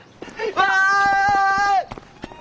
わい！